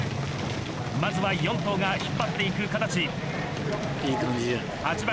まずは４頭が引っ張って行く形。